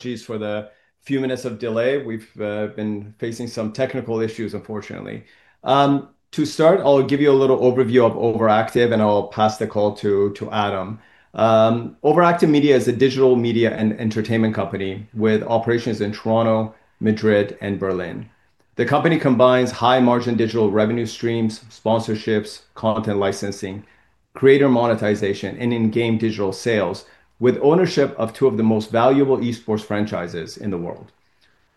Jeez, for the few minutes of delay, we've been facing some technical issues, unfortunately. To start, I'll give you a little overview of OverActive, and I'll pass the call to Adam. OverActive Media is a digital media and entertainment company with operations in Toronto, Madrid, and Berlin. The company combines high-margin digital revenue streams, sponsorships, content licensing, creator monetization, and in-game digital sales, with ownership of two of the most valuable Esports franchises in the world.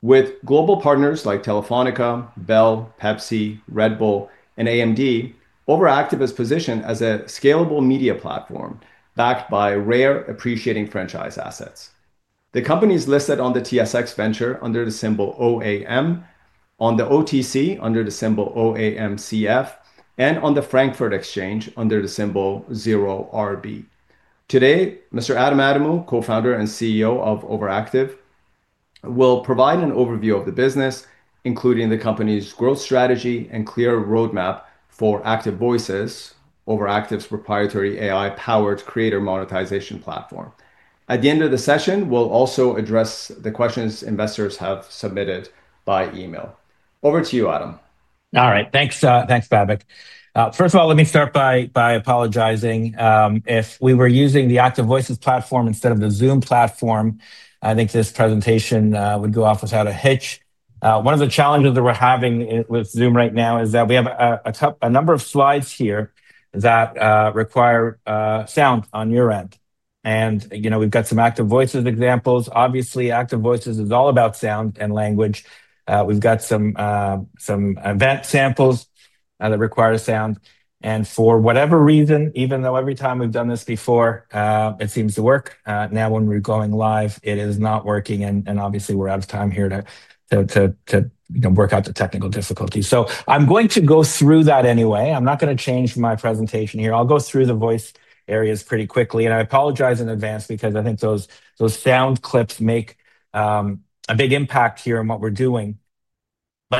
With global partners like Telefónica, Bell, Pepsi, Red Bull, and AMD, OverActive is positioned as a scalable media platform backed by rare, appreciating franchise assets. The company is listed on the TSX Venture under the symbol OAM, on the OTC under the symbol OAMCF, and on the Frankfurt Exchange under the symbol 0RB. Today, Mr. Adam Adamou, co-founder and CEO of OverActive Media, will provide an overview of the business, including the company's growth strategy and clear roadmap for Active Voices, OverActive's proprietary AI-powered creator monetization platform. At the end of the session, we'll also address the questions investors have submitted by email. Over to you, Adam. All right, thanks, Babak. First of all, let me start by apologizing. If we were using the Active Voices platform instead of the Zoom platform, I think this presentation would go off without a hitch. One of the challenges that we're having with Zoom right now is that we have a number of slides here that require sound on your end. We have some Active Voices examples. Obviously, Active Voices is all about sound and language. We have some event samples that require sound. For whatever reason, even though every time we've done this before, it seems to work, now when we're going live, it is not working. Obviously, we're out of time here to work out the technical difficulty. I am going to go through that anyway. I'm not going to change my presentation here. I'll go through the voice areas pretty quickly. I apologize in advance because I think those sound clips make a big impact here on what we are doing.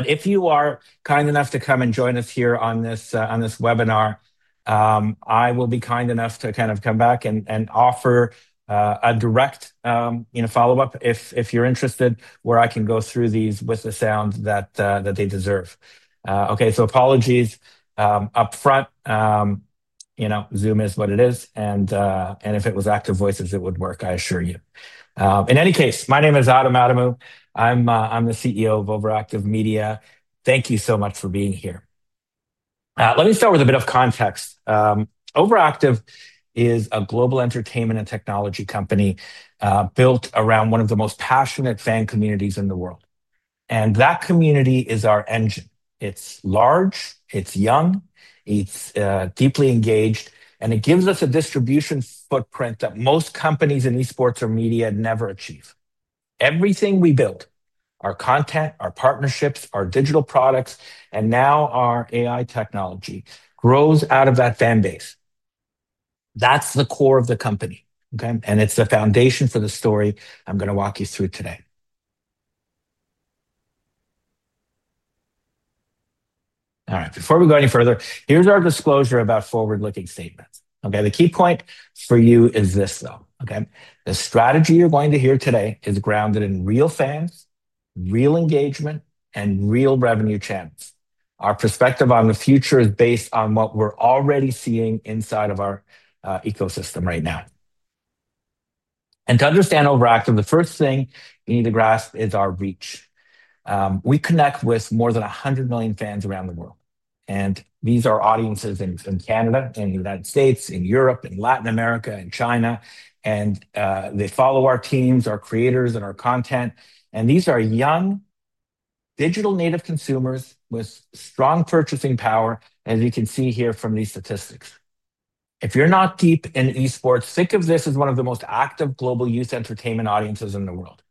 If you are kind enough to come and join us here on this webinar, I will be kind enough to kind of come back and offer a direct follow-up if you are interested, where I can go through these with the sound that they deserve. Apologies upfront. Zoom is what it is. If it was Active Voices, it would work, I assure you. In any case, my name is Adam Adamou. I am the CEO of OverActive Media. Thank you so much for being here. Let me start with a bit of context. OverActive is a global entertainment and technology company built around one of the most passionate fan communities in the world. That community is our engine. It's large, it's young, it's deeply engaged, and it gives us a distribution footprint that most companies in Esports or media never achieve. Everything we build, our content, our partnerships, our digital products, and now our AI technology grows out of that fan base. That's the core of the company. It's the foundation for the story I'm going to walk you through today. All right, before we go any further, here's our disclosure about forward-looking statements. The key point for you is this, though. The strategy you're going to hear today is grounded in real fans, real engagement, and real revenue channels. Our perspective on the future is based on what we're already seeing inside of our ecosystem right now. To understand OverActive, the first thing you need to grasp is our reach. We connect with more than 100 million fans around the world. These are audiences in Canada, in the United States, in Europe, in Latin America, in China. They follow our teams, our creators, and our content. These are young, digital native consumers with strong purchasing power, as you can see here from these statistics. If you're not deep in Esports, think of this as one of the most active global youth entertainment audiences in the world.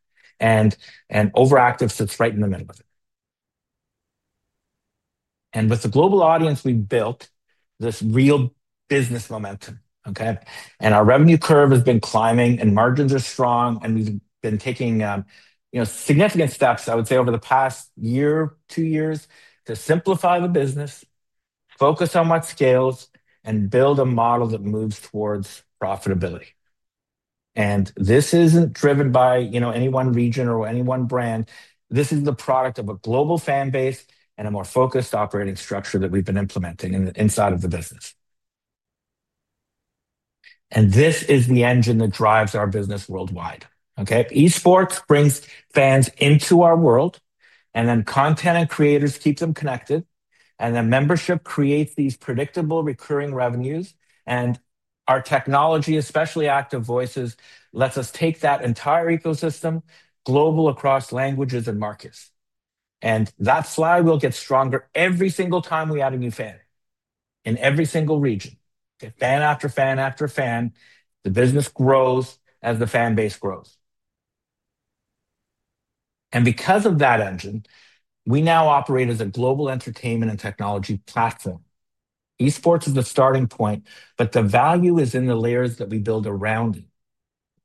OverActive sits right in the middle of it. With the global audience, we've built this real business momentum. Our revenue curve has been climbing, and margins are strong. We've been taking significant steps, I would say, over the past year, two years, to simplify the business, focus on what scales, and build a model that moves towards profitability. This isn't driven by any one region or any one brand. This is the product of a global fan base and a more focused operating structure that we've been implementing inside of the business. This is the engine that drives our business worldwide. Esports brings fans into our world, and then content and creators keep them connected. Membership creates these predictable, recurring revenues. Our technology, especially Active Voices, lets us take that entire ecosystem, global, across languages and markets. That slide will get stronger every single time we add a new fan in every single region. Fan after fan after fan, the business grows as the fan base grows. Because of that engine, we now operate as a global entertainment and technology platform. Esports is the starting point, but the value is in the layers that we build around it.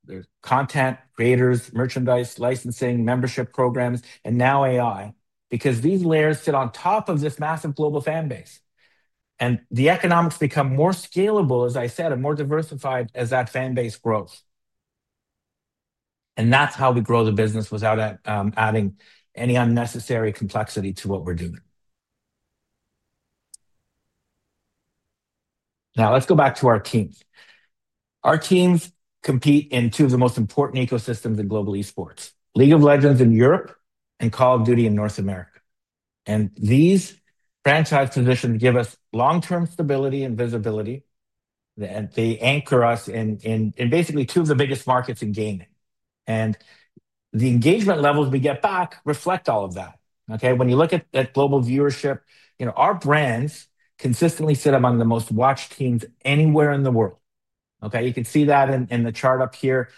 There's content, creators, merchandise, licensing, membership programs, and now AI, because these layers sit on top of this massive global fan base. The economics become more scalable, as I said, and more diversified as that fan base grows. That's how we grow the business without adding any unnecessary complexity to what we're doing. Now, let's go back to our teams. Our teams compete in two of the most important ecosystems in global Esports: League of Legends in Europe and Call of Duty in North America. These franchise positions give us long-term stability and visibility. They anchor us in basically two of the biggest markets in gaming. The engagement levels we get back reflect all of that. When you look at global viewership, our brands consistently sit among the most watched teams anywhere in the world. You can see that in the chart up here.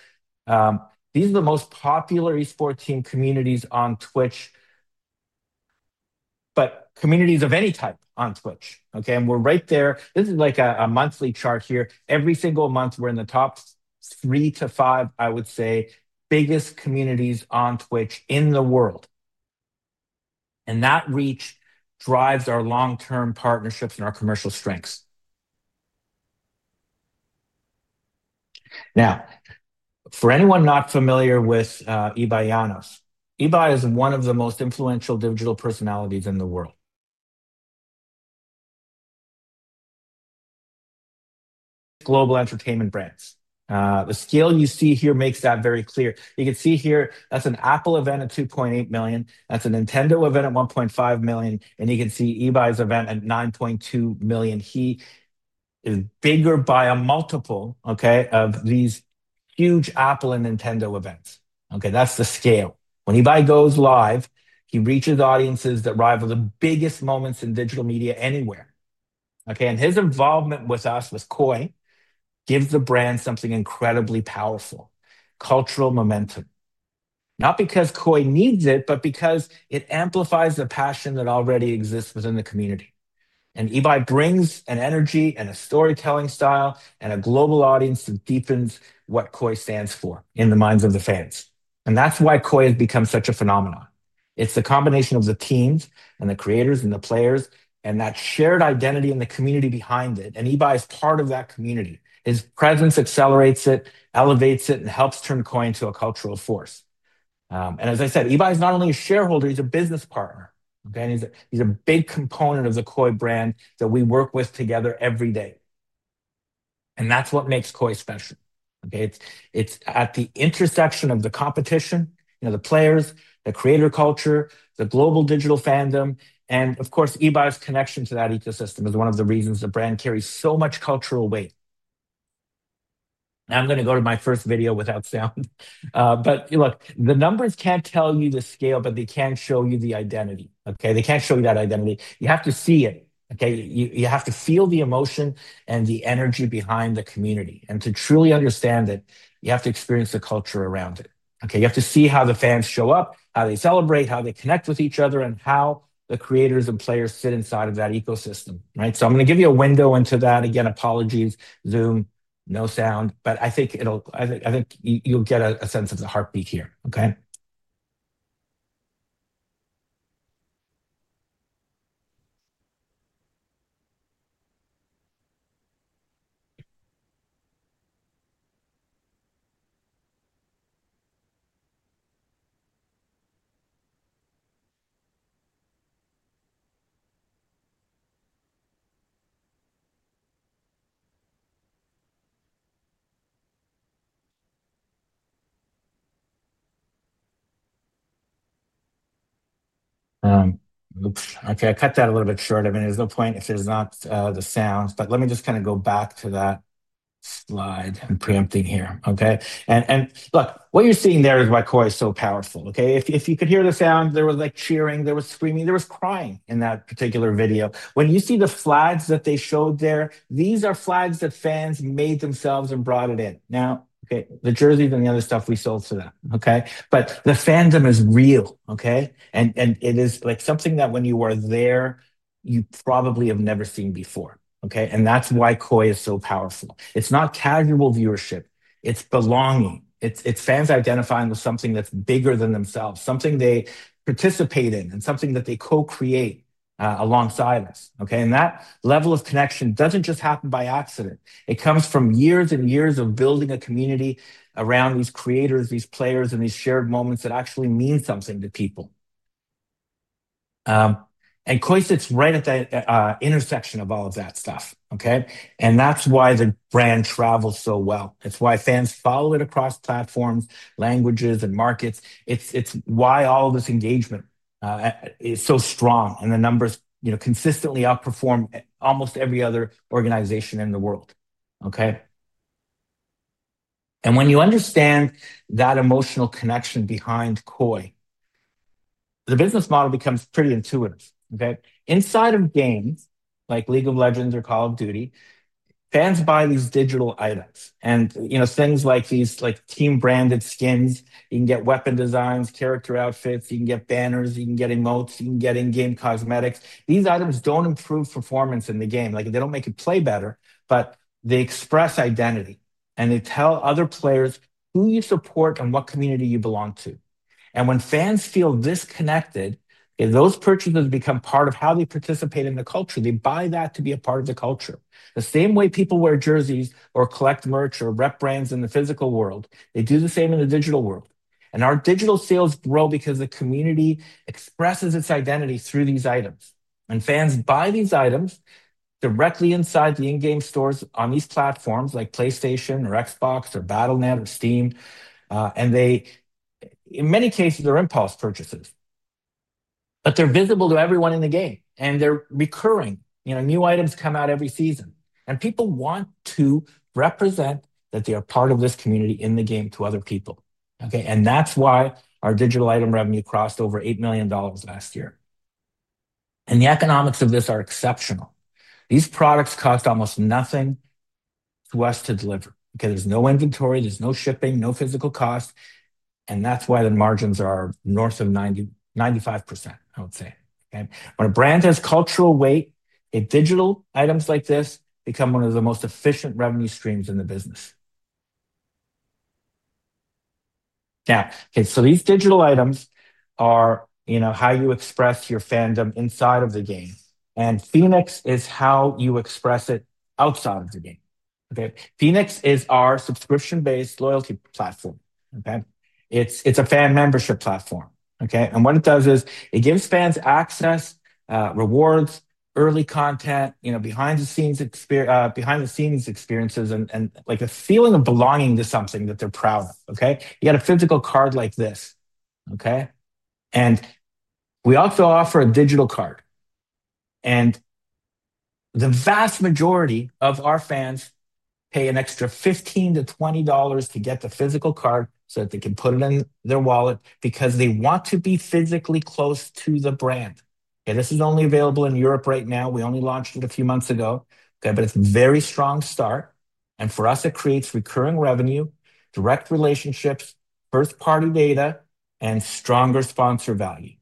These are the most popular Esports team communities on Twitch, but communities of any type on Twitch. We are right there. This is like a monthly chart here. Every single month, we are in the top three to five, I would say, biggest communities on Twitch in the world. That reach drives our long-term partnerships and our commercial strengths. Now, for anyone not familiar with Ibai Llanos, Ibai is one of the most influential digital personalities in the world. Global entertainment brands. The scale you see here makes that very clear. You can see here, that is an Apple event at 2.8 million. That is a Nintendo event at 1.5 million. You can see Ibai's event at 9.2 million. He is bigger by a multiple of these huge Apple and Nintendo events. That is the scale. When Ibai goes live, he reaches audiences that rival the biggest moments in digital media anywhere. His involvement with us, with KOI, gives the brand something incredibly powerful: cultural momentum. Not because KOI needs it, but because it amplifies the passion that already exists within the community. Ibai brings an energy and a storytelling style and a global audience that deepens what KOI stands for in the minds of the fans. That is why KOI has become such a phenomenon. It is the combination of the teams and the creators and the players and that shared identity and the community behind it. Ibai is part of that community. His presence accelerates it, elevates it, and helps turn KOI into a cultural force. As I said, Ibai is not only a shareholder, he is a business partner. He is a big component of the KOI brand that we work with together every day. That is what makes KOI special. It's at the intersection of the competition, the players, the creator culture, the global digital fandom. Of course, Ibai's connection to that ecosystem is one of the reasons the brand carries so much cultural weight. Now, I'm going to go to my first video without sound. Look, the numbers can't tell you the scale, but they can show you the identity. They can't show you that identity. You have to see it. You have to feel the emotion and the energy behind the community. To truly understand it, you have to experience the culture around it. You have to see how the fans show up, how they celebrate, how they connect with each other, and how the creators and players sit inside of that ecosystem. I'm going to give you a window into that. Again, apologies, Zoom, no sound. I think you'll get a sense of the heartbeat here. Okay, I cut that a little bit short. I mean, there's no point if there's not the sound. Let me just kind of go back to that slide and preempting here. Look, what you're seeing there is why KOI is so powerful. If you could hear the sound, there was cheering, there was screaming, there was crying in that particular video. When you see the flags that they showed there, these are flags that fans made themselves and brought it in. Now, the jerseys and the other stuff we sold to them. The fandom is real. It is like something that when you are there, you probably have never seen before. That's why KOI is so powerful. It's not casual viewership. It's belonging. It's fans identifying with something that's bigger than themselves, something they participate in, and something that they co-create alongside us. That level of connection doesn't just happen by accident. It comes from years and years of building a community around these creators, these players, and these shared moments that actually mean something to people. KOI sits right at the intersection of all of that stuff. That's why the brand travels so well. It's why fans follow it across platforms, languages, and markets. It's why all this engagement is so strong. The numbers consistently outperform almost every other organization in the world. When you understand that emotional connection behind KOI, the business model becomes pretty intuitive. Inside of games like League of Legends or Call of Duty, fans buy these digital items. Things like these team-branded skins, you can get weapon designs, character outfits, you can get banners, you can get emotes, you can get in-game cosmetics. These items do not improve performance in the game. They do not make you play better, but they express identity. They tell other players who you support and what community you belong to. When fans feel disconnected, those purchases become part of how they participate in the culture. They buy that to be a part of the culture. The same way people wear jerseys or collect merch or rep brands in the physical world, they do the same in the digital world. Our digital sales grow because the community expresses its identity through these items. Fans buy these items directly inside the in-game stores on these platforms like PlayStation, Xbox, Battle.net, or Steam. They, in many cases, are impulse purchases. They are visible to everyone in the game. They are recurring. New items come out every season. People want to represent that they are part of this community in the game to other people. That is why our digital item revenue crossed over 8 million dollars last year. The economics of this are exceptional. These products cost almost nothing to us to deliver. There is no inventory, there is no shipping, no physical cost. That is why the margins are north of 95%, I would say. When a brand has cultural weight, digital items like this become one of the most efficient revenue streams in the business. These digital items are how you express your fandom inside of the game. Phoenix is how you express it outside of the game. Phoenix is our subscription-based loyalty platform. It's a fan membership platform. What it does is it gives fans access, rewards, early content, behind-the-scenes experiences, and a feeling of belonging to something that they're proud of. You get a physical card like this. We also offer a digital card. The vast majority of our fans pay an extra 15-20 dollars to get the physical card so that they can put it in their wallet because they want to be physically close to the brand. This is only available in Europe right now. We only launched it a few months ago. It's a very strong start. For us, it creates recurring revenue, direct relationships, first-party data, and stronger sponsor value.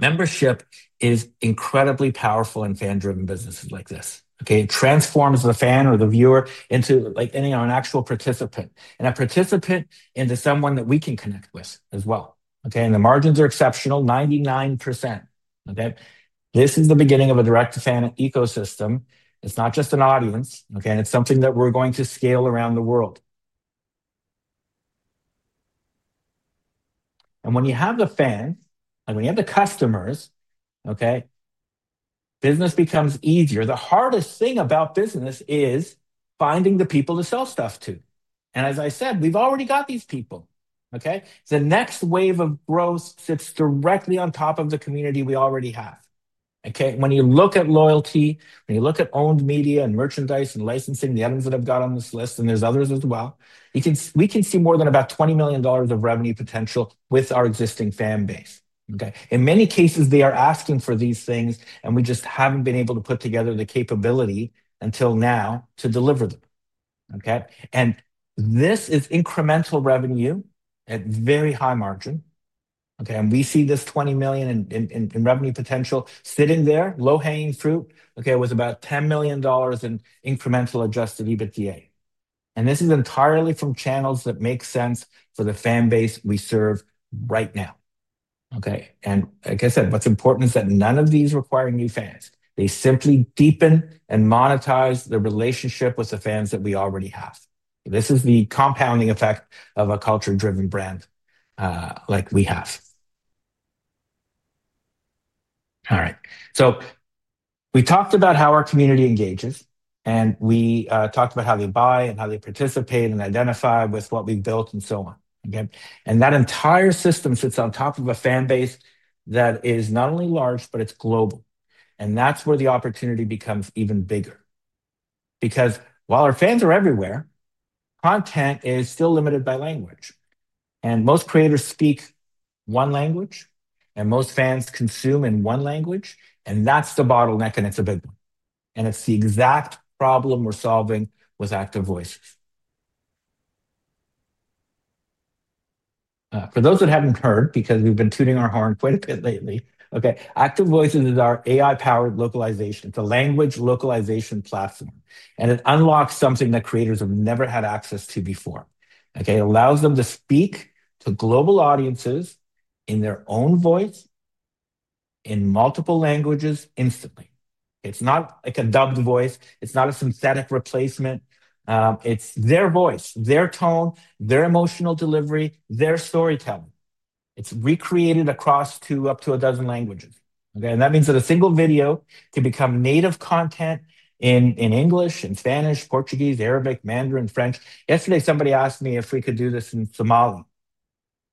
Membership is incredibly powerful in fan-driven businesses like this. It transforms the fan or the viewer into an actual participant. A participant into someone that we can connect with as well. The margins are exceptional, 99%. This is the beginning of a direct fan ecosystem. It's not just an audience. It is something that we're going to scale around the world. When you have the fans, when you have the customers, business becomes easier. The hardest thing about business is finding the people to sell stuff to. As I said, we've already got these people. The next wave of growth sits directly on top of the community we already have. When you look at loyalty, when you look at owned media and merchandise and licensing, the items that I've got on this list, and there are others as well, we can see more than about 20 million dollars of revenue potential with our existing fan base. In many cases, they are asking for these things, and we just have not been able to put together the capability until now to deliver them. This is incremental revenue at very high margin. We see this 20 million in revenue potential sitting there, low-hanging fruit, with about 10 million dollars in incremental adjusted EBITDA. This is entirely from channels that make sense for the fan base we serve right now. Like I said, what is important is that none of these require new fans. They simply deepen and monetize the relationship with the fans that we already have. This is the compounding effect of a culture-driven brand like we have. All right. We talked about how our community engages, and we talked about how they buy and how they participate and identify with what we have built and so on. That entire system sits on top of a fan base that is not only large, but it's global. That's where the opportunity becomes even bigger. While our fans are everywhere, content is still limited by language. Most creators speak one language, and most fans consume in one language. That's the bottleneck, and it's a big one. It's the exact problem we're solving with Active Voices. For those that haven't heard, because we've been tooting our horn quite a bit lately, Active Voices is our AI-powered localization. It's a language localization platform. It unlocks something that creators have never had access to before. It allows them to speak to global audiences in their own voice in multiple languages instantly. It's not like a dubbed voice. It's not a synthetic replacement. It's their voice, their tone, their emotional delivery, their storytelling. It's recreated across up to a dozen languages. That means that a single video can become native content in English, in Spanish, Portuguese, Arabic, Mandarin, French. Yesterday, somebody asked me if we could do this in Somali.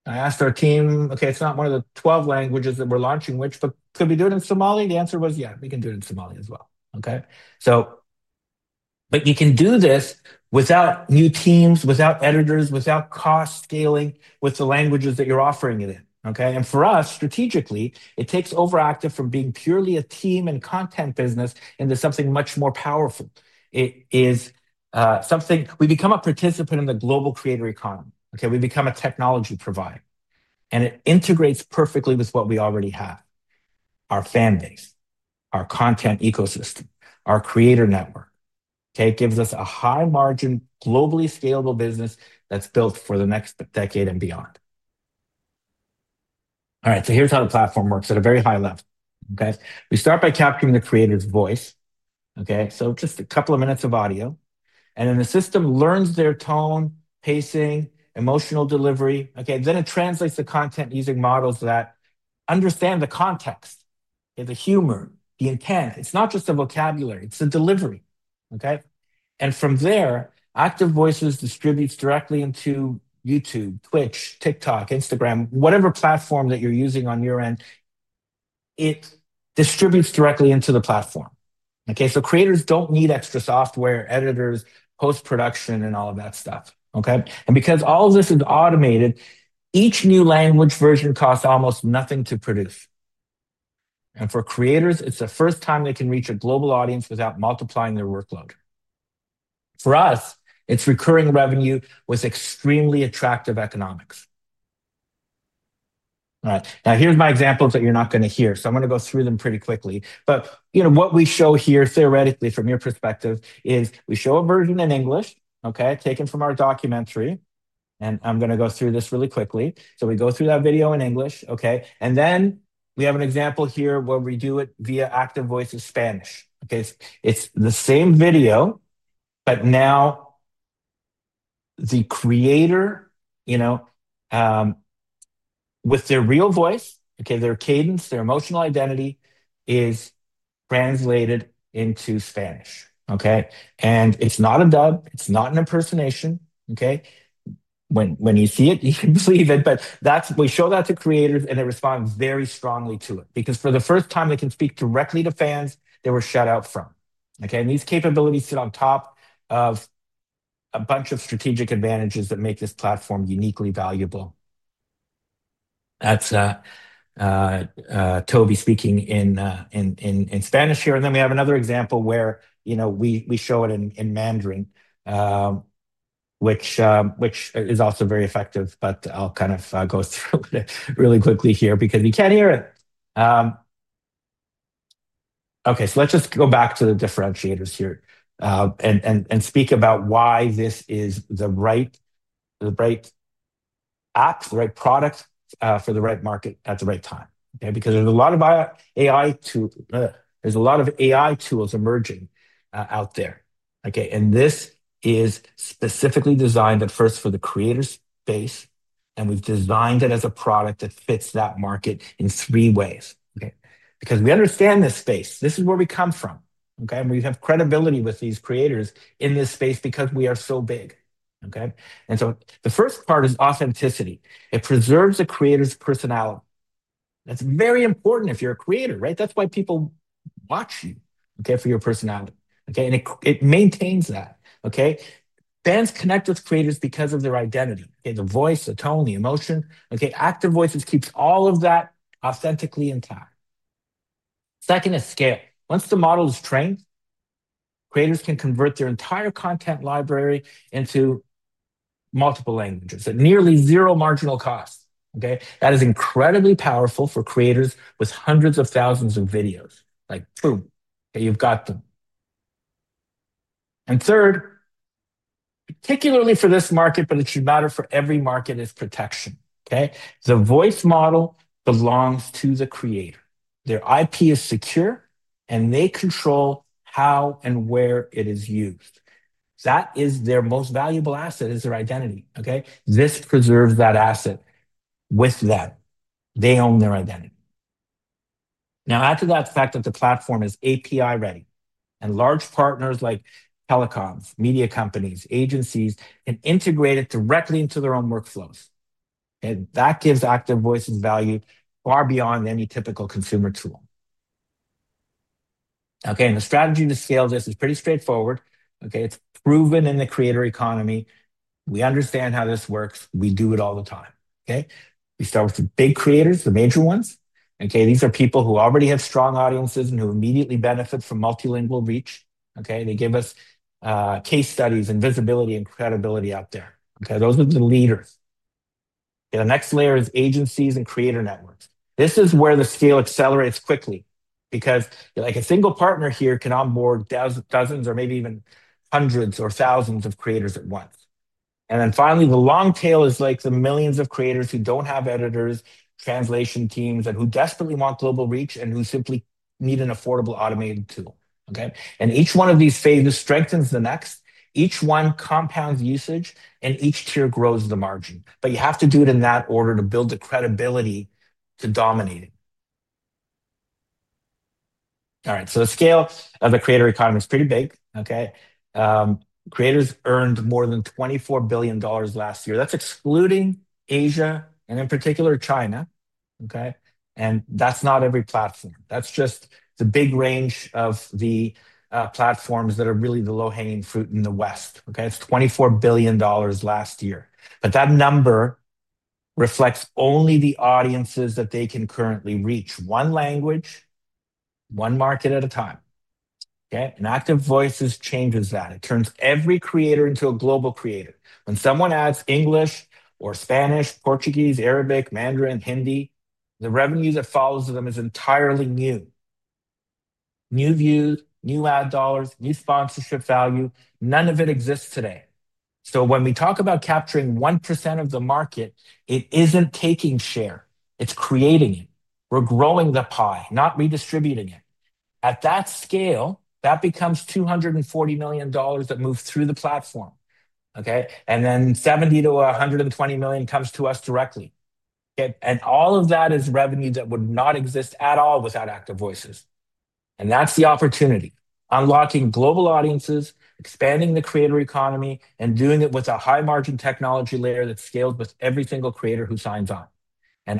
I asked our team, "Okay, it's not one of the 12 languages that we're launching. Could we do it in Somali?" The answer was, "Yeah, we can do it in Somali as well." You can do this without new teams, without editors, without cost scaling with the languages that you're offering it in. For us, strategically, it takes OverActive from being purely a team and content business into something much more powerful. It is something we become a participant in the global creator economy. We become a technology provider. It integrates perfectly with what we already have: our fan base, our content ecosystem, our creator network. It gives us a high-margin, globally scalable business that's built for the next decade and beyond. All right. Here is how the platform works at a very high level. We start by capturing the creator's voice. Just a couple of minutes of audio. Then the system learns their tone, pacing, emotional delivery. It translates the content using models that understand the context, the humor, the intent. It is not just a vocabulary. It is a delivery. From there, Active Voices distributes directly into YouTube, Twitch, TikTok, Instagram, whatever platform that you are using on your end. It distributes directly into the platform. Creators do not need extra software, editors, post-production, and all of that stuff. Because all of this is automated, each new language version costs almost nothing to produce. For creators, it is the first time they can reach a global audience without multiplying their workload. For us, it's recurring revenue with extremely attractive economics. All right. Now, here's my examples that you're not going to hear. I am going to go through them pretty quickly. What we show here, theoretically, from your perspective, is we show a version in English, taken from our documentary. I am going to go through this really quickly. We go through that video in English. We have an example here where we do it via Active Voices Spanish. It's the same video, but now the creator, with their real voice, their cadence, their emotional identity, is translated into Spanish. It's not a dub. It's not an impersonation. When you see it, you can believe it. We show that to creators, and they respond very strongly to it. Because for the first time, they can speak directly to fans they were shut out from. These capabilities sit on top of a bunch of strategic advantages that make this platform uniquely valuable. That is Toby speaking in Spanish here. We have another example where we show it in Mandarin, which is also very effective. I will kind of go through it really quickly here because you cannot hear it. Okay. Let us just go back to the differentiators here and speak about why this is the right app, the right product for the right market at the right time. There are a lot of AI tools emerging out there. This is specifically designed, at first, for the creator's base. We have designed it as a product that fits that market in three ways. We understand this space. This is where we come from. We have credibility with these creators in this space because we are so big. The first part is authenticity. It preserves the creator's personality. That's very important if you're a creator, right? That's why people watch you for your personality. It maintains that. Fans connect with creators because of their identity, the voice, the tone, the emotion. Active Voices keeps all of that authentically intact. Second is scale. Once the model is trained, creators can convert their entire content library into multiple languages at nearly zero marginal cost. That is incredibly powerful for creators with hundreds of thousands of videos. Like, boom, you've got them. Third, particularly for this market, but it should matter for every market, is protection. The voice model belongs to the creator. Their IP is secure, and they control how and where it is used. That is their most valuable asset, is their identity. This preserves that asset with them. They own their identity. Now, add to that the fact that the platform is API-ready. Large partners like telecoms, media companies, agencies can integrate it directly into their own workflows. That gives Active Voices value far beyond any typical consumer tool. The strategy to scale this is pretty straightforward. It's proven in the creator economy. We understand how this works. We do it all the time. We start with the big creators, the major ones. These are people who already have strong audiences and who immediately benefit from multilingual reach. They give us case studies and visibility and credibility out there. Those are the leaders. The next layer is agencies and creator networks. This is where the scale accelerates quickly because a single partner here can onboard dozens or maybe even hundreds or thousands of creators at once. Finally, the long tail is like the millions of creators who do not have editors, translation teams, and who desperately want global reach and who simply need an affordable automated tool. Each one of these phases strengthens the next. Each one compounds usage, and each tier grows the margin. You have to do it in that order to build the credibility to dominate it. All right. The scale of the creator economy is pretty big. Creators earned more than $24 billion last year. That is excluding Asia and, in particular, China. That is not every platform. That is just the big range of the platforms that are really the low-hanging fruit in the West. It is $24 billion last year. That number reflects only the audiences that they can currently reach, one language, one market at a time. Active Voices changes that. It turns every creator into a global creator. When someone adds English or Spanish, Portuguese, Arabic, Mandarin, Hindi, the revenue that follows them is entirely new. New views, new ad dollars, new sponsorship value. None of it exists today. When we talk about capturing 1% of the market, it is not taking share. It is creating it. We are growing the pie, not redistributing it. At that scale, that becomes $240 million that moves through the platform. Then $70 million-$120 million comes to us directly. All of that is revenue that would not exist at all without Active Voices. That is the opportunity: unlocking global audiences, expanding the creator economy, and doing it with a high-margin technology layer that scales with every single creator who signs up.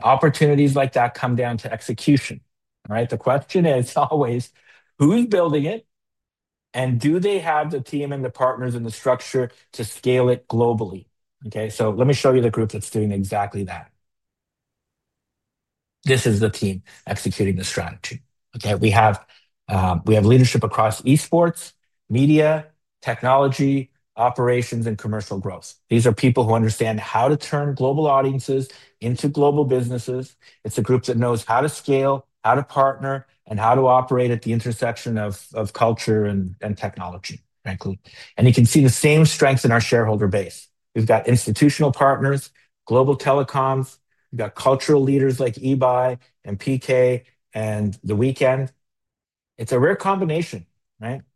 Opportunities like that come down to execution. The question is always, who is building it? Do they have the team and the partners and the structure to scale it globally? Let me show you the group that's doing exactly that. This is the team executing the strategy. We have leadership across Esports, media, technology, operations, and commercial growth. These are people who understand how to turn global audiences into global businesses. It's a group that knows how to scale, how to partner, and how to operate at the intersection of culture and technology. You can see the same strength in our shareholder base. We've got institutional partners, global telecoms. We've got cultural leaders like Ibai and PK and The Weeknd. It's a rare combination.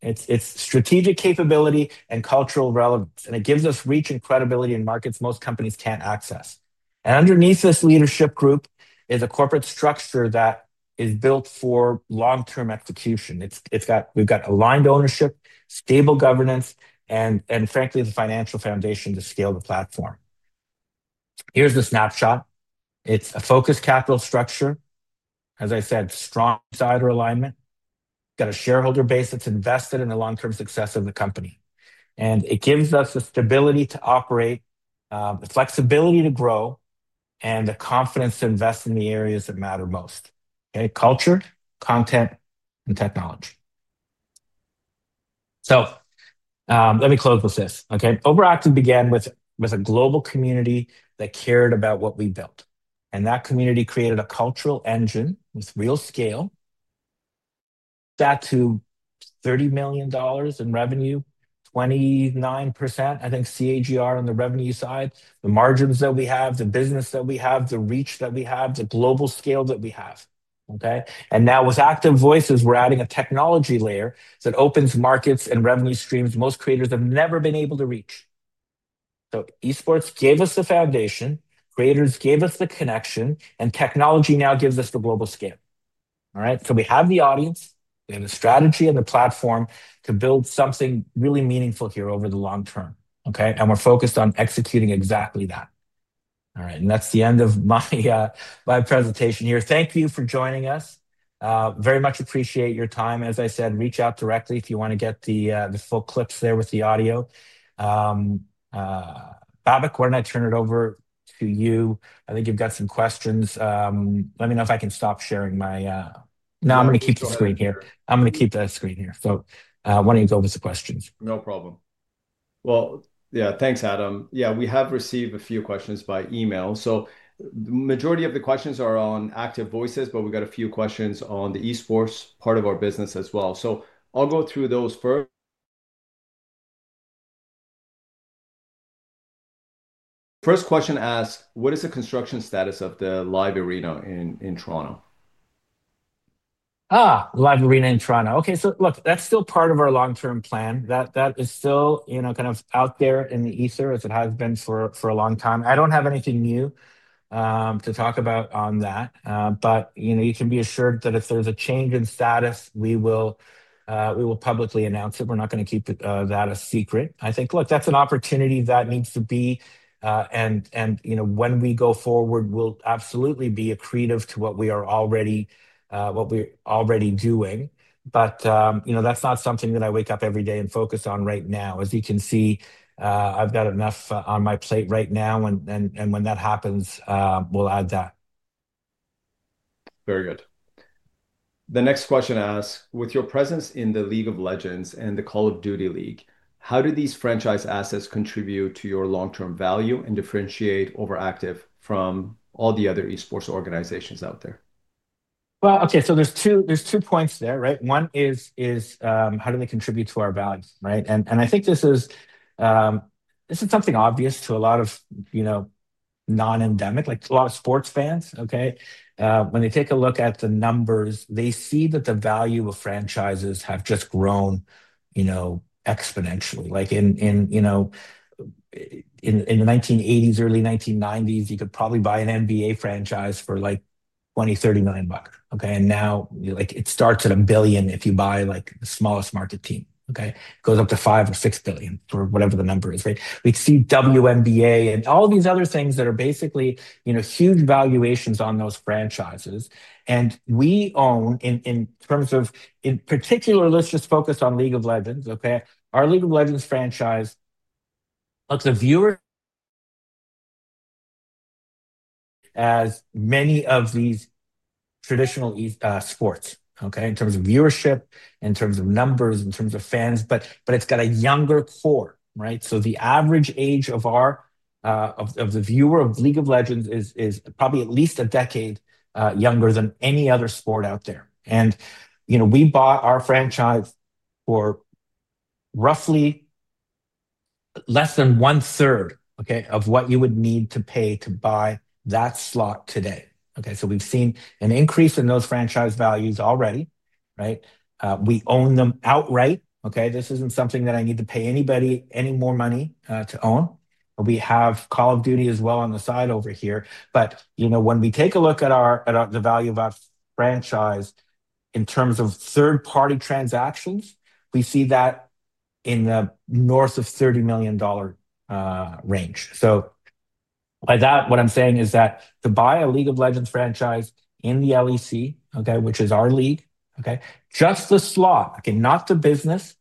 It's strategic capability and cultural relevance. It gives us reach and credibility in markets most companies can't access. Underneath this leadership group is a corporate structure that is built for long-term execution. We've got aligned ownership, stable governance, and, frankly, the financial foundation to scale the platform. Here's the snapshot. It's a focused capital structure. As I said, strong shareholder alignment. Got a shareholder base that's invested in the long-term success of the company. It gives us the stability to operate, the flexibility to grow, and the confidence to invest in the areas that matter most: culture, content, and technology. Let me close with this. OverActive began with a global community that cared about what we built. That community created a cultural engine with real scale. That to $30 million in revenue, 29% CAGR on the revenue side, the margins that we have, the business that we have, the reach that we have, the global scale that we have. Now, with Active Voices, we're adding a technology layer that opens markets and revenue streams most creators have never been able to reach. Esports gave us the foundation. Creators gave us the connection. Technology now gives us the global scale. All right. We have the audience. We have the strategy and the platform to build something really meaningful here over the long term. We're focused on executing exactly that. All right. That's the end of my presentation here. Thank you for joining us. Very much appreciate your time. As I said, reach out directly if you want to get the full clips there with the audio. Babak, why don't I turn it over to you? I think you've got some questions. Let me know if I can stop sharing my... No, I'm going to keep the screen here. I'm going to keep the screen here. I want to go over the questions. No problem. Yeah, thanks, Adam. We have received a few questions by email. The majority of the questions are on Active Voices, but we've got a few questions on the Esports part of our business as well. I'll go through those first. First question asked, what is the construction status of the live arena in Toronto? Live arena in Toronto. That is still part of our long-term plan. That is still kind of out there in the ether as it has been for a long time. I don't have anything new to talk about on that. You can be assured that if there's a change in status, we will publicly announce it. We're not going to keep that a secret. I think, look, that's an opportunity that needs to be. When we go forward, we'll absolutely be accredited to what we are already doing. That's not something that I wake up every day and focus on right now. As you can see, I've got enough on my plate right now. When that happens, we'll add that. Very good. The next question asked, with your presence in the League of Legends and the Call of Duty League, how do these franchise assets contribute to your long-term value and differentiate OverActive from all the other Esports organizations out there? Okay. There's two points there, right? One is, how do they contribute to our value? I think this is something obvious to a lot of non-endemic, like a lot of sports fans. When they take a look at the numbers, they see that the value of franchises has just grown exponentially. In the 1980s, early 1990s, you could probably buy an NBA franchise for like $20 million, $30 million. Now it starts at $1 billion if you buy the smallest market team. It goes up to $5 billion-$6 billion for whatever the number is, right? We see WNBA and all these other things that are basically huge valuations on those franchises. We own, in terms of, in particular, let's just focus on League of Legends. Our League of Legends franchise looks at viewers as many of these traditional sports in terms of viewership, in terms of numbers, in terms of fans. It has a younger core, right? The average age of the viewer of League of Legends is probably at least a decade younger than any other sport out there. We bought our franchise for roughly less than one-third of what you would need to pay to buy that slot today. We have seen an increase in those franchise values already, right? We own them outright. This is not something that I need to pay anybody any more money to own. We have Call of Duty as well on the side over here. When we take a look at the value of our franchise in terms of third-party transactions, we see that in the north of $30 million range. By that, what I'm saying is that to buy a League of Legends franchise in the LEC, which is our league, just the slot, not the business,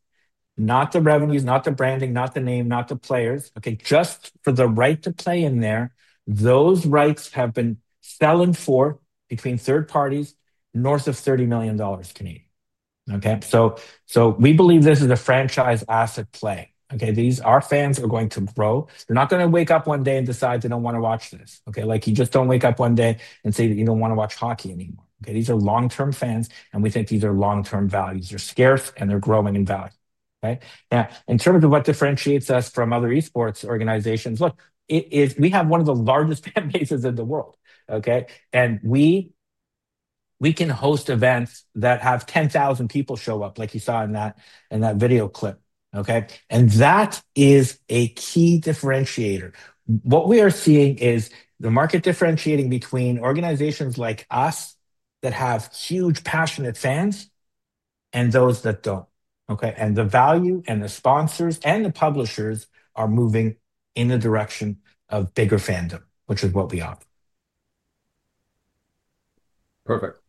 not the revenues, not the branding, not the name, not the players, just for the right to play in there, those rights have been selling for between third parties, north of 30 million dollars. We believe this is a franchise asset play. Our fans are going to grow. They're not going to wake up one day and decide they don't want to watch this. You just don't wake up one day and say that you don't want to watch hockey anymore. These are long-term fans, and we think these are long-term values. They're scarce, and they're growing in value. Now, in terms of what differentiates us from other Esports organizations, look, we have one of the largest fan bases in the world. We can host events that have 10,000 people show up, like you saw in that video clip. That is a key differentiator. What we are seeing is the market differentiating between organizations like us that have huge passionate fans and those that do not. The value and the sponsors and the publishers are moving in the direction of bigger fandom, which is what we offer. Perfect.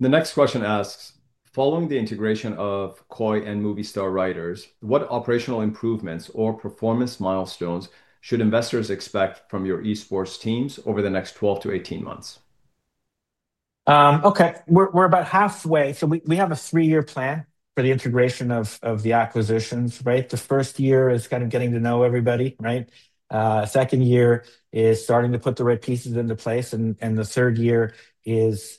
The next question asks, following the integration of KOI and Movistar Riders, what operational improvements or performance milestones should investors expect from your Esports teams over the next 12 to 18 months? Okay. We are about halfway. We have a three-year plan for the integration of the acquisitions, right? The first year is kind of getting to know everybody, right? The second year is starting to put the right pieces into place. The third year is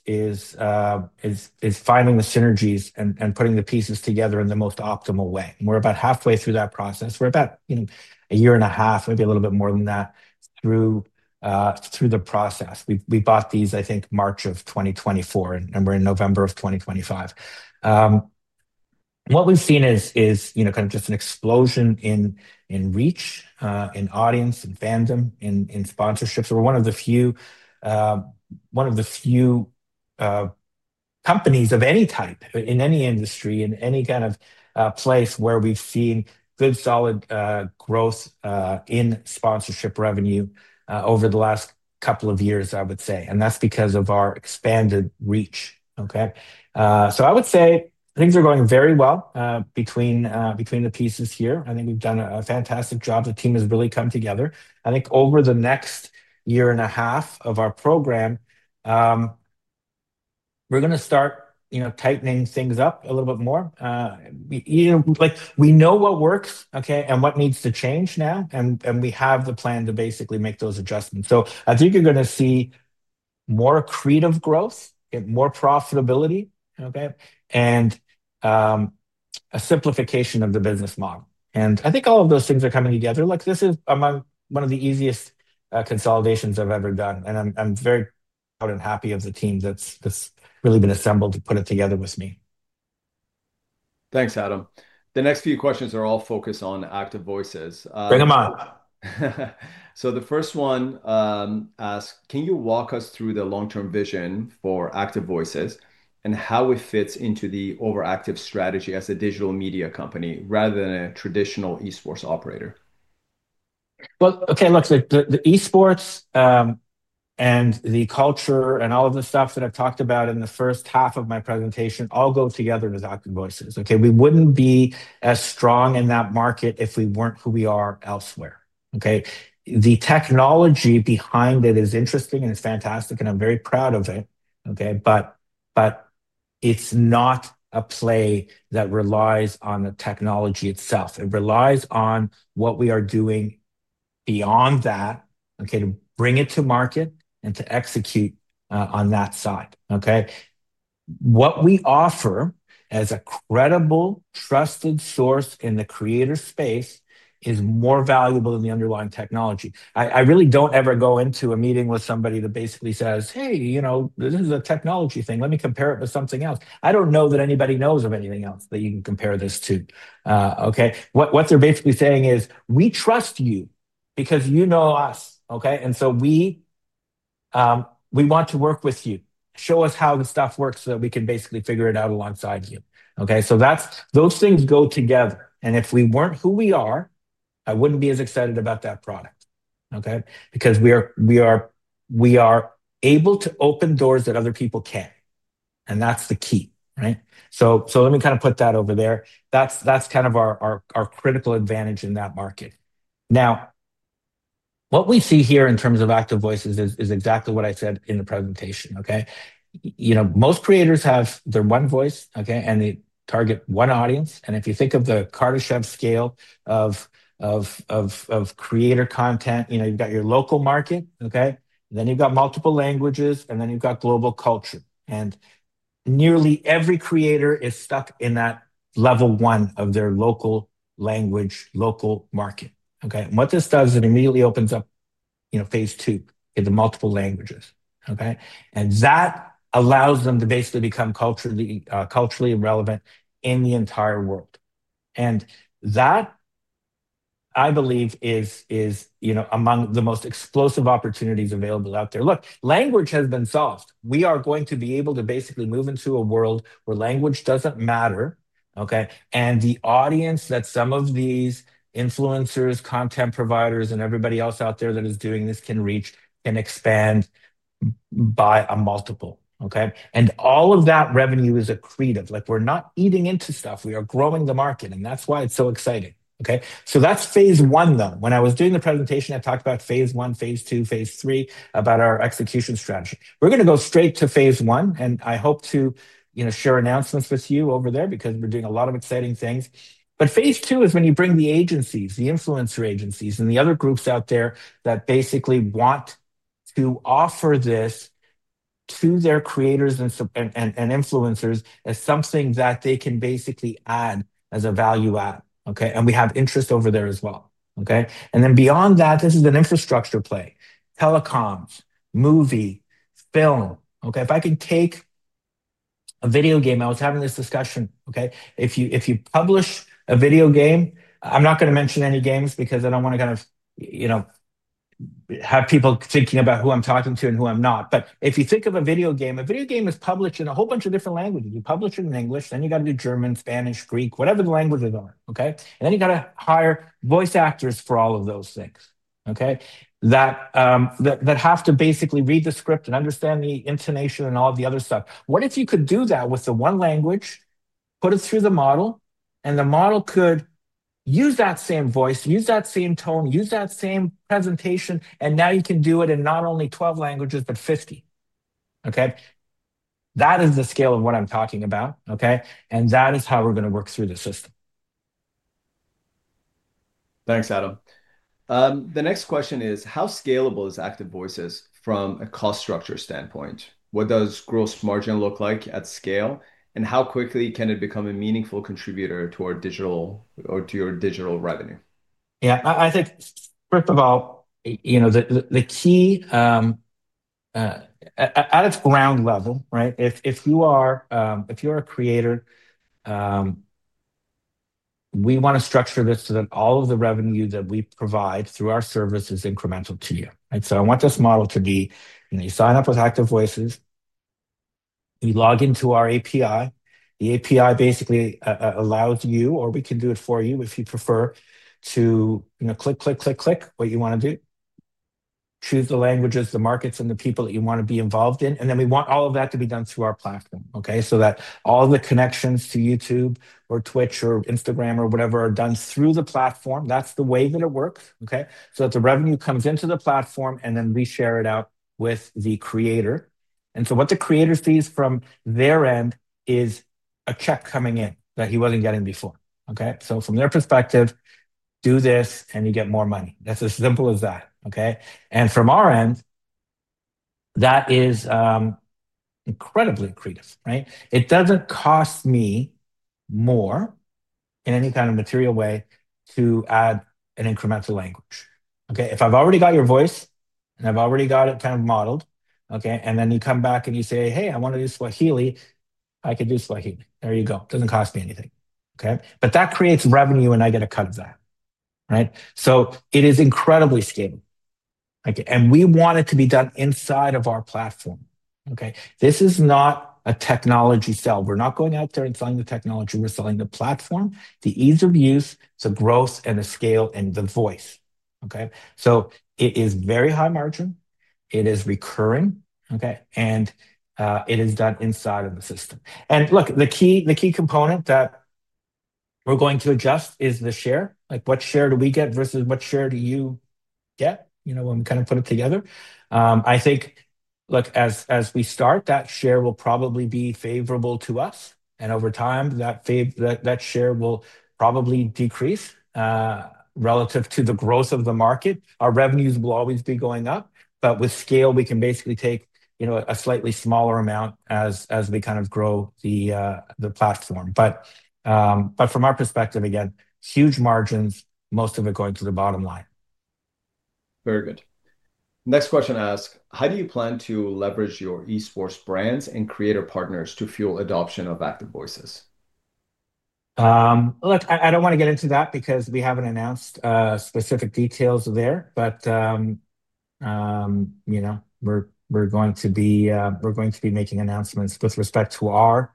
finding the synergies and putting the pieces together in the most optimal way. We're about halfway through that process. We're about a year and a half, maybe a little bit more than that, through the process. We bought these, I think, March of 2024, and we're in November of 2025. What we've seen is kind of just an explosion in reach, in audience, in fandom, in sponsorships. We're one of the few companies of any type, in any industry, in any kind of place where we've seen good solid growth in sponsorship revenue over the last couple of years, I would say. That is because of our expanded reach. I would say things are going very well between the pieces here. I think we've done a fantastic job. The team has really come together. I think over the next year and a half of our program, we're going to start tightening things up a little bit more. We know what works and what needs to change now. We have the plan to basically make those adjustments. I think you're going to see more creative growth, more profitability, and a simplification of the business model. I think all of those things are coming together. This is one of the easiest consolidations I've ever done. I'm very proud and happy of the team that's really been assembled to put it together with me. Thanks, Adam. The next few questions are all focused on Active Voices. Bring them on. The first one asks, can you walk us through the long-term vision for Active Voices and how it fits into the OverActive strategy as a digital media company rather than a traditional Esports operator? Okay, look, the Esports and the culture and all of the stuff that I've talked about in the first half of my presentation all go together as Active Voices. We wouldn't be as strong in that market if we weren't who we are elsewhere. The technology behind it is interesting and it's fantastic, and I'm very proud of it. It is not a play that relies on the technology itself. It relies on what we are doing beyond that to bring it to market and to execute on that side. What we offer as a credible, trusted source in the creator space is more valuable than the underlying technology. I really don't ever go into a meeting with somebody that basically says, "Hey, this is a technology thing. Let me compare it with something else." I don't know that anybody knows of anything else that you can compare this to. What they're basically saying is, "We trust you because you know us. And so we want to work with you. Show us how the stuff works so that we can basically figure it out alongside you." Those things go together. If we weren't who we are, I wouldn't be as excited about that product because we are able to open doors that other people can't. That's the key. Let me kind of put that over there. That's kind of our critical advantage in that market. Now, what we see here in terms of Active Voices is exactly what I said in the presentation. Most creators have their one voice, and they target one audience. If you think of the Kardashev scale of creator content, you have your local market, then you have multiple languages, and then you have global culture. Nearly every creator is stuck in that level one of their local language, local market. What this does is it immediately opens up phase two in the multiple languages. That allows them to basically become culturally relevant in the entire world. That, I believe, is among the most explosive opportunities available out there. Look, language has been solved. We are going to be able to basically move into a world where language does not matter. The audience that some of these influencers, content providers, and everybody else out there that is doing this can reach can expand by a multiple. All of that revenue is accretive. We're not eating into stuff. We are growing the market. That is why it's so exciting. That is phase one, though. When I was doing the presentation, I talked about phase one, phase two, phase three about our execution strategy. We're going to go straight to phase one. I hope to share announcements with you over there because we're doing a lot of exciting things. Phase two is when you bring the agencies, the influencer agencies, and the other groups out there that basically want to offer this to their creators and influencers as something that they can basically add as a value add. We have interest over there as well. Beyond that, this is an infrastructure play: telecoms, movie, film. If I can take a video game, I was having this discussion. If you publish a video game, I'm not going to mention any games because I don't want to kind of have people thinking about who I'm talking to and who I'm not. If you think of a video game, a video game is published in a whole bunch of different languages. You publish it in English, then you got to do German, Spanish, Greek, whatever the languages are. Then you got to hire voice actors for all of those things that have to basically read the script and understand the intonation and all of the other stuff. What if you could do that with the one language, put it through the model, and the model could use that same voice, use that same tone, use that same presentation, and now you can do it in not only 12 languages, but 50. That is the scale of what I'm talking about. That is how we're going to work through the system. Thanks, Adam. The next question is, how scalable is Active Voices from a cost structure standpoint? What does gross margin look like at scale? How quickly can it become a meaningful contributor to your digital revenue? Yeah, I think, first of all, the key at its ground level, if you are a creator, we want to structure this so that all of the revenue that we provide through our service is incremental to you. I want this model to be you sign up with Active Voices. We log into our API. The API basically allows you, or we can do it for you if you prefer, to click, click, click, click what you want to do, choose the languages, the markets, and the people that you want to be involved in. We want all of that to be done through our platform so that all of the connections to YouTube or Twitch or Instagram or whatever are done through the platform. That is the way that it works. The revenue comes into the platform and then we share it out with the creator. What the creator sees from their end is a check coming in that he was not getting before. From their perspective, do this and you get more money. It is as simple as that. From our end, that is incredibly accretive. It doesn't cost me more in any kind of material way to add an incremental language. If I've already got your voice and I've already got it kind of modeled, and then you come back and you say, "Hey, I want to do Swahili," I can do Swahili. There you go. It doesn't cost me anything. That creates revenue and I get a cut of that. It is incredibly scalable. We want it to be done inside of our platform. This is not a technology sale. We're not going out there and selling the technology. We're selling the platform, the ease of use, the growth, the scale, and the voice. It is very high margin. It is recurring. It is done inside of the system. Look, the key component that we're going to adjust is the share. What share do we get versus what share do you get when we kind of put it together? I think, look, as we start, that share will probably be favorable to us. Over time, that share will probably decrease relative to the growth of the market. Our revenues will always be going up. With scale, we can basically take a slightly smaller amount as we kind of grow the platform. From our perspective, again, huge margins, most of it going to the bottom line. Very good. Next question asks, how do you plan to leverage your Esports brands and creator partners to fuel adoption of Active Voices? Look, I do not want to get into that because we have not announced specific details there. We are going to be making announcements with respect to our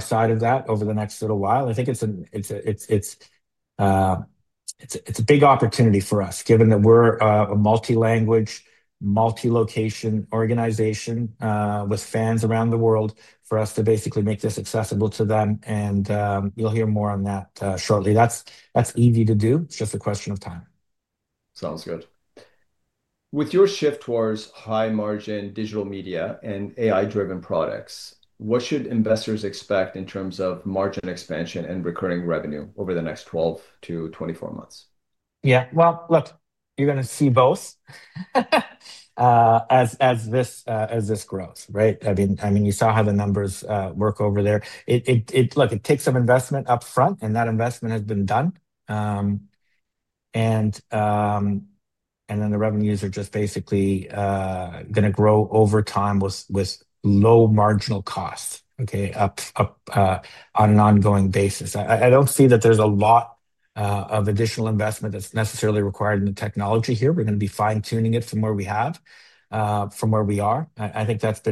side of that over the next little while. I think it's a big opportunity for us, given that we're a multi-language, multi-location organization with fans around the world for us to basically make this accessible to them. You'll hear more on that shortly. That's easy to do. It's just a question of time. Sounds good. With your shift towards high-margin digital media and AI-driven products, what should investors expect in terms of margin expansion and recurring revenue over the next 12 to 24 months? Yeah. Look, you're going to see both as this grows, right? I mean, you saw how the numbers work over there. It takes some investment upfront, and that investment has been done. The revenues are just basically going to grow over time with low marginal costs on an ongoing basis. I don't see that there's a lot of additional investment that's necessarily required in the technology here. We're going to be fine-tuning it from where we have, from where we are. I think that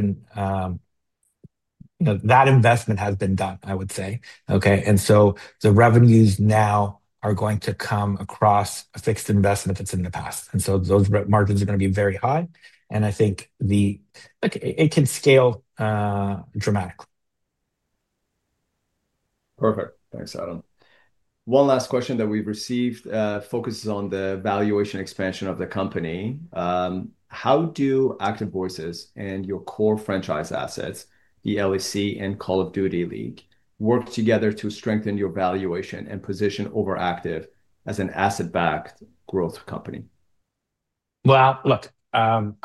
investment has been done, I would say. The revenues now are going to come across a fixed investment that's in the past. Those margins are going to be very high. I think it can scale dramatically. Perfect. Thanks, Adam. One last question that we've received focuses on the valuation expansion of the company. How do Active Voices and your core franchise assets, the LEC and Call of Duty League, work together to strengthen your valuation and position OverActive as an asset-backed growth company? Look, I'm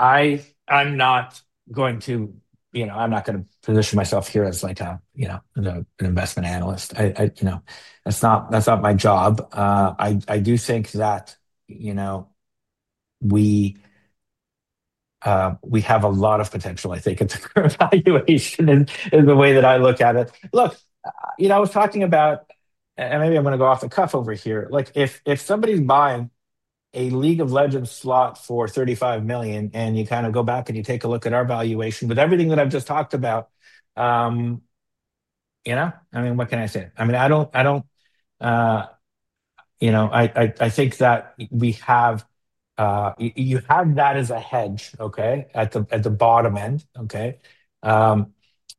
not going to position myself here as an investment analyst. That's not my job. I do think that we have a lot of potential, I think, at the current valuation is the way that I look at it. Look, I was talking about—and maybe I'm going to go off the cuff over here—if somebody's buying a League of Legends slot for $35 million, and you kind of go back and you take a look at our valuation with everything that I've just talked about, I mean, what can I say? I mean, I think that you have that as a hedge at the bottom end.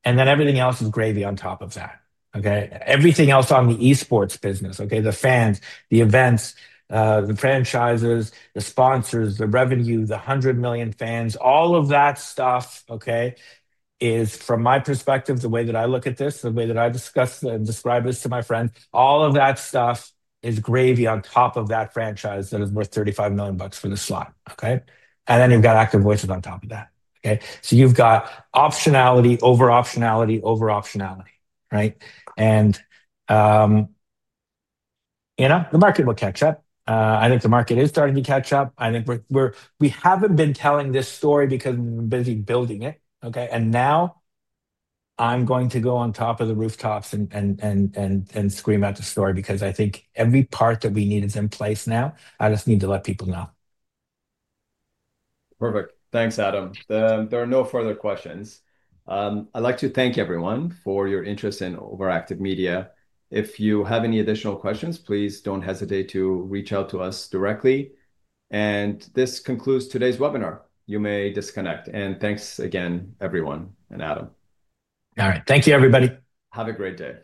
Everything else is gravy on top of that. Everything else on the Esports business, the fans, the events, the franchises, the sponsors, the revenue, the 100 million fans, all of that stuff is, from my perspective, the way that I look at this, the way that I discuss and describe this to my friends, all of that stuff is gravy on top of that franchise that is worth $35 million for the slot. You have Active Voices on top of that. You have optionality over optionality over optionality. The market will catch up. I think the market is starting to catch up. I think we have not been telling this story because we have been busy building it. Now I am going to go on top of the rooftops and scream out the story because I think every part that we need is in place now. I just need to let people know. Perfect. Thanks, Adam. There are no further questions. I would like to thank everyone for your interest in OverActive Media. If you have any additional questions, please do not hesitate to reach out to us directly. This concludes today's webinar. You may disconnect. Thanks again, everyone, and Adam. All right. Thank you, everybody. Have a great day.